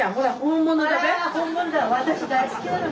私大好きなの。